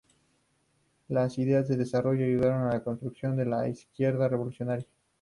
Las ideas que desarrolló ayudaron a la construcción de la izquierda revolucionaria.